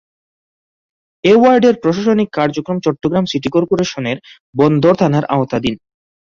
এ ওয়ার্ডের প্রশাসনিক কার্যক্রম চট্টগ্রাম সিটি কর্পোরেশনের বন্দর থানার আওতাধীন।